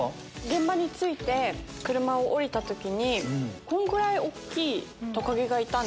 現場に着いて車を降りた時にこんぐらい大きい。